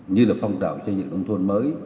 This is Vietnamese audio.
như là phong trào cho những nông thôn mới